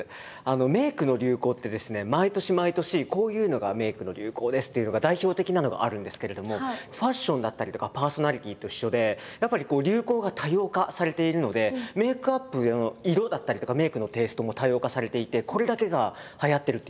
メイクの流行ってですね毎年毎年こういうのがメイクの流行ですっていうのが代表的なのがあるんですけれどもファッションだったりとかパーソナリティと一緒でやっぱり流行が多様化されているのでメイクアップの色だったりとかメイクのテーストも多様化されていてこれだけがはやってるっていうのは実はないんです。